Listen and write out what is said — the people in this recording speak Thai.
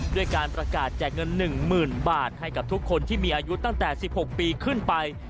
ด้วยการประกาศแจกเงิน๑๐๐๐บาทให้กับทุกคนที่มีอายุตั้งแต่๑๖ปีขึ้นไป